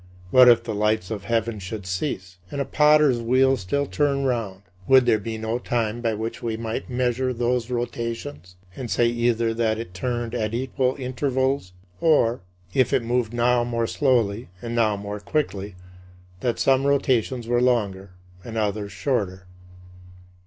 What if the lights of heaven should cease, and a potter's wheel still turn round: would there be no time by which we might measure those rotations and say either that it turned at equal intervals, or, if it moved now more slowly and now more quickly, that some rotations were longer and others shorter?